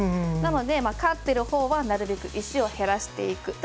なので、勝っているほうはなるべく石を減らしていく。